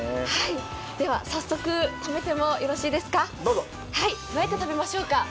早速食べてもよろしいですか、どうやって食べましょうか？